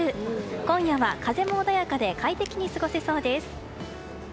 今夜は、風も穏やかで快適に過ごせそうです。